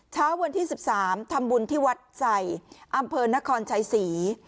เช้าวันที่๑๓ทำบุญที่วัดใส่อำเภอนครชัยศรี